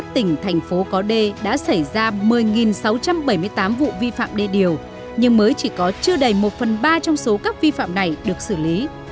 ba mươi một tỉnh thành phố có đê đã xảy ra một mươi sáu trăm bảy mươi tám vụ vi phạm đê điều nhưng mới chỉ có chưa đầy một phần ba trong số các vi phạm này được xử lý